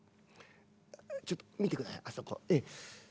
ちょっと見てくださいあそこええ。